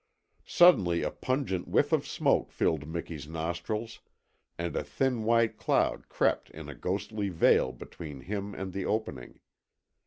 Suddenly a pungent whiff of smoke filled Miki's nostrils, and a thin white cloud crept in a ghostly veil between him and the opening.